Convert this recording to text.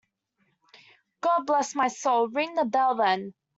God bless my soul, ring the bell, then.